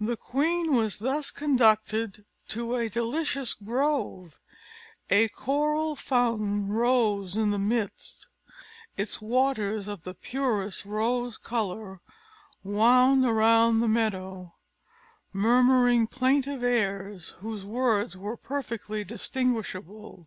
The queen was thus conducted to a delicious grove: a coral fountain rose in the midst; its waters, of the purest rose colour, wound along the meadow, murmuring plaintive airs, whose words were perfectly distinguishable.